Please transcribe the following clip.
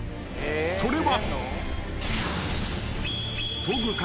それは］